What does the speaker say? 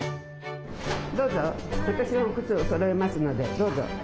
どうぞ私が靴をそろえますのでどうぞ。